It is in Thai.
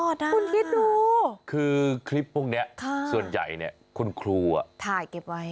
คุณคิดดูคือคลิปพวกนี้ส่วนใหญ่เนี่ยคุณครูถ่ายเก็บไว้